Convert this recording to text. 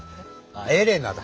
あエレナだ！